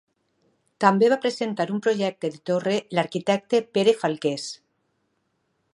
També va presentar un projecte de torre l'arquitecte Pere Falqués.